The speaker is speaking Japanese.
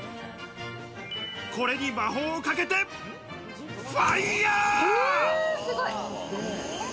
これに魔法をかけて、ファイヤー！